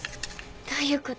どういうこと？